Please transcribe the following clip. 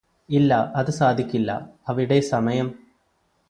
ഇല്ല അത് സാധിക്കില്ല അവിടെ സമയം